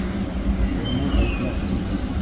Урман әйтмәҫ, тимә